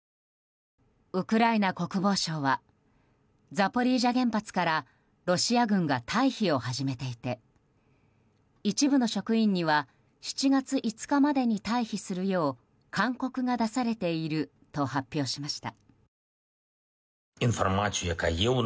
ウクライナ国防省はザポリージャ原発からロシア軍が退避を始めていて一部の職員には７月５日までに退避するよう勧告が出されていると発表しました。